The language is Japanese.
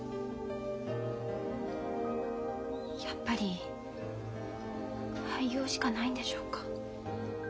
やっぱり廃業しかないんでしょうか。